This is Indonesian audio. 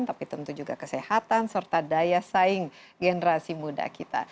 tapi tentu juga kesehatan serta daya saing generasi muda kita